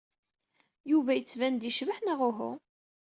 Yuba yettban-d yecbeḥ neɣ uhu?